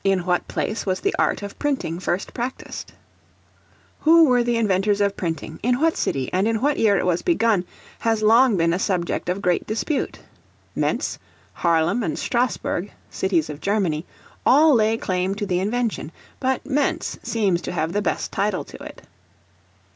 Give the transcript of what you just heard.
In what place was the art of Printing first practised? Who were the inventors of Printing, in what city, and in what year it was begun, has long been a subject of great dispute. Mentz, Harlem, and Strasburg, cities of Germany, all lay claim to the invention, but Mentz seems to have the best title to it.